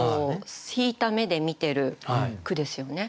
引いた目で見てる句ですよね。